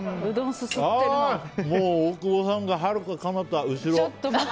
大久保さんが、はるかかなた後ろ。